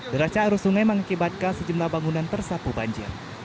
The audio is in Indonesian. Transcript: derasnya arus sungai mengakibatkan sejumlah bangunan tersapu banjir